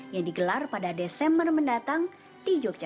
yang digelar pada desember mendatang di jogja